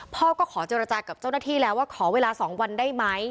พ่อก็ขอเจรจากับเจ้าหน้าที่แล้วว่าขอเวลา๒วันได้ไหม